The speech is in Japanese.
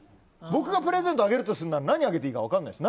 僕がプレゼントあげるとするなら何あげていいか分からないです。